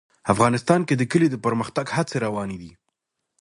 افغانستان کې د کلي د پرمختګ هڅې روانې دي.